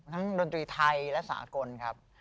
ดนตรีไทยและสากลครับ